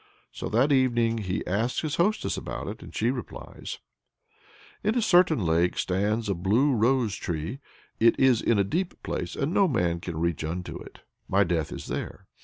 So that evening he asks his hostess about it, and she replies: "In a certain lake stands a blue rose tree. It is in a deep place, and no man can reach unto it. My death is there."